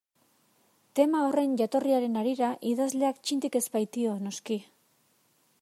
Tema horren jatorriaren harira idazleak txintik ez baitio, noski.